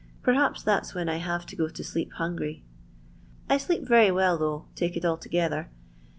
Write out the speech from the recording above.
Perhaps that's when I have to go to sleep hungry. I sleep very well, though, take it altogether.